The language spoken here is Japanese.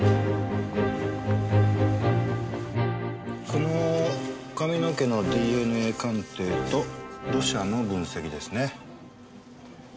この髪の毛のＤＮＡ鑑定と土砂の分析ですね。